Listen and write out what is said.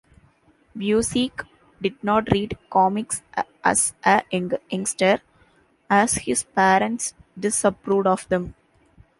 Busiek did not read comics as a youngster, as his parents disapproved of them.